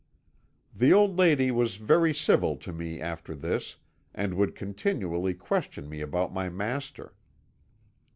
"'The old lady was very civil to me after this, and would continually question me about my master.